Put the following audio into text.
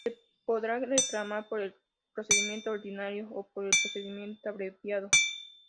Se podrá reclamar por el procedimiento ordinario o por el procedimiento abreviado.